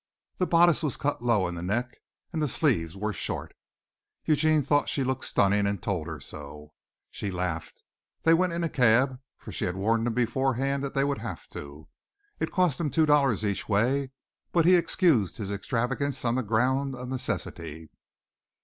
The bodice was cut low in the neck and the sleeves were short. Eugene thought she looked stunning and told her so. She laughed. They went in a cab, for she had warned him beforehand that they would have to. It cost him two dollars each way but he excused his extravagance on the ground of necessity.